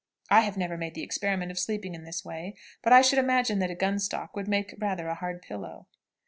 I have never made the experiment of sleeping in this way, but I should imagine that a gun stock would make rather a hard pillow.